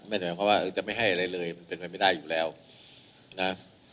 มันไม่หมดความว่าจะไม่ให้อะไรเลยมันเป็นไปไม่ได้อีกแล้วนะ